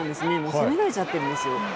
攻められちゃってるんですよ。